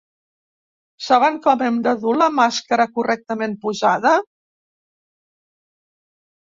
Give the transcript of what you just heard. Sabem com hem de dur la màscara correctament posada?